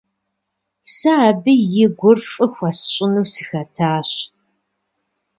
Сэ абы и гур фӀы хуэсщӀыну сыхэтащ.